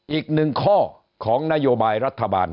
อีกหนึ่งข้อของนโยบายรัฐบาล